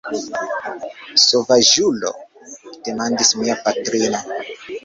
Sovaĝulo!? demandis mia patrino.